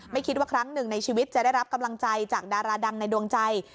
คิดว่าครั้งหนึ่งในชีวิตจะได้รับกำลังใจจากดาราดังในดวงใจ